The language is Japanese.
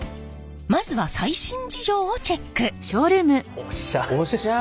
まずは最新事情をチェック！